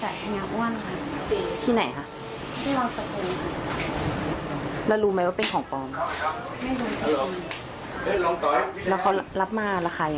เยอะไหม